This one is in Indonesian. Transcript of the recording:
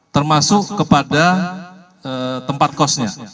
termasuk kepada tempat kosnya